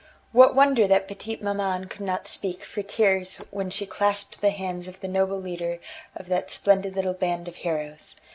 What wonder that petite maman could not speak for tears when she clasped the hands of the noble leader of that splendid little band of heroes?